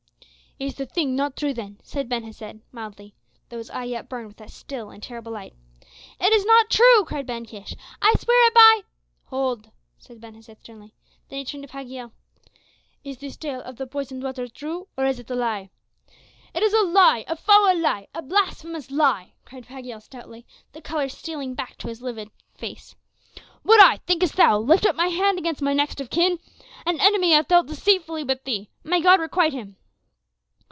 "Is the thing not true then?" said Ben Hesed, mildly, though his eye yet burned with that still and terrible light. "It is not true," cried Ben Kish. "I swear it by " "Hold!" said Ben Hesed, sternly. Then he turned to Pagiel. "Is this tale of the poisoned water true, or is it a lie?" "It is a lie a foul lie a blasphemous lie," cried Pagiel stoutly, the color stealing back to his livid face. "Would I, thinkest thou, lift up my hand against my next of kin? An enemy hath dealt deceitfully with thee may God requite him!"